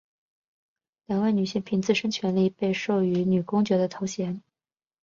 两位女性凭自身权利被授予女公爵的头衔。